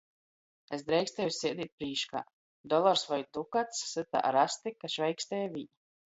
Es dreikstieju sēdēt prīškā! Dolars voi Dukats syta ar asti, ka šveikstēja viņ.